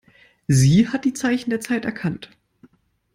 Sie hat die Zeichen der Zeit erkannt.